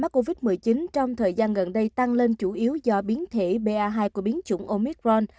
mắc covid một mươi chín trong thời gian gần đây tăng lên chủ yếu do biến thể ba hai của biến chủng omicron